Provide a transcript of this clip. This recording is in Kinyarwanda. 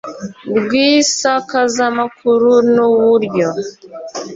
Rw isakazamakuru n uburyo